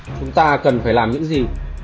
chúng ta cần phải làm những gì